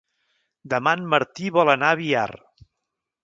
Demà en Martí vol anar a Biar.